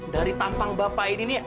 dari tampang bapak ini nih